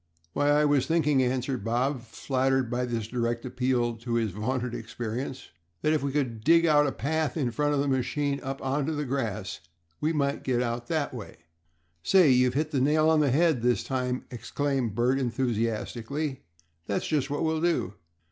"Why, I was thinking," answered Bob, flattered by this direct appeal to his vaunted experience, "that if we could dig out a path in front of the machine up onto the grass we might get it out that way." "Say! you've hit the nail on the head this time!" exclaimed Bert, enthusiastically. "That's just what we'll do.